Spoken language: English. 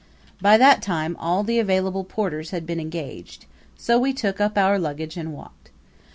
By that time all the available porters had been engaged; so we took up our luggage and walked.